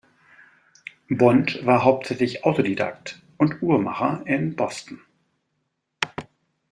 Bond war hauptsächlich Autodidakt und Uhrmacher in Boston.